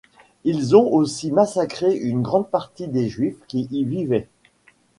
Ils ont aussi massacré une grande partie des Juifs qui y vivaient.